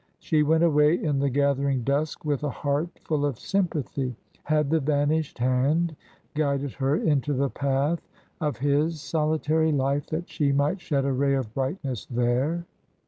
She went away in the gathering dusk with a heart full of sympathy. Had the "vanished hand" guided her into the path of his solitary life that she might shed a ray of brightness there?